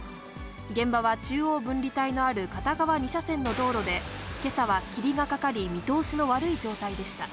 現場は中央分離帯のある片側２車線の道路で、けさは霧がかかり見通しの悪い状態でした。